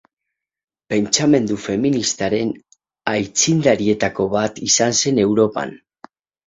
Pentsamendu feministaren aitzindarietako bat izan zen Europan.